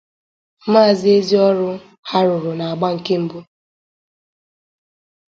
maka ezi ọrụ ha rụrụ n'agba nke mbụ